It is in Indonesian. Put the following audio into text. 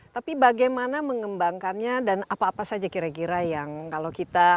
tapi bagaimana mengembangkannya dan apa apa saja kira kira yang kalau kita